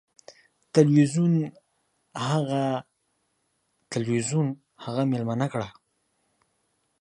تلویزیون هغه میلمنه کړه.